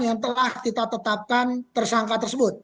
yang telah kita tetapkan tersangka tersebut